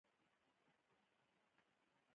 د اوسنۍ نړۍ دا ژوره نا انډولي په نولسمه پېړۍ کې ده.